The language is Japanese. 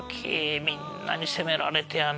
みんなに責められてやな」